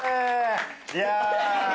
いや。